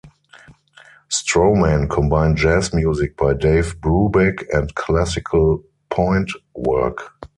Stroman combined jazz music by Dave Brubeck and classical pointe work.